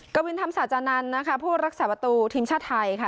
กวินธรรมศาจานันทร์นะคะผู้รักษาประตูทีมชาติไทยค่ะ